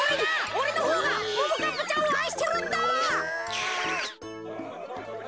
おれのほうがももかっぱちゃんをあいしてるんだ！